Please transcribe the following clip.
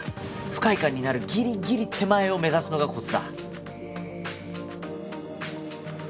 不快感になるギリギリ手前を目指すのがコツだ。